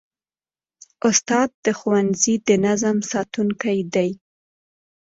استاد د ښوونځي د نظم ساتونکی دی.